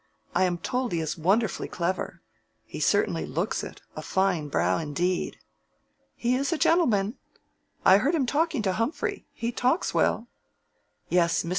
I am told he is wonderfully clever: he certainly looks it—a fine brow indeed." "He is a gentleman. I heard him talking to Humphrey. He talks well." "Yes. Mr.